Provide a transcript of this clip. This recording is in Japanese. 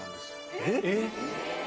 えっ？